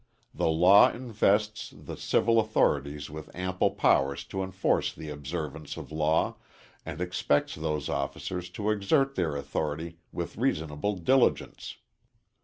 The law invests the civil authorities with ample powers to enforce the observance of law, and expects those officers to exert their authority with reasonable diligence.